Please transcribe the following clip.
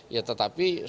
ya tetapi semangatnya